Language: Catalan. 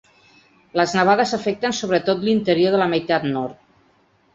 Les nevades afecten sobretot l’interior de la meitat nord.